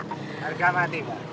harga mati pak